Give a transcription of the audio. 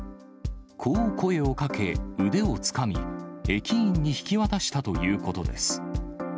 こう声をかけ、腕をつかみ、駅員に引き渡したということです。